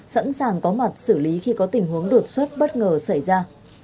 sẵn sàng có mặt xử lý khi có tình huống đột xuất bất ngờ xảy ra